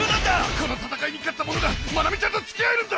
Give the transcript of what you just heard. この戦いに勝った者がマナミちゃんとつきあえるんだ！